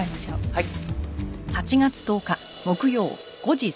はい。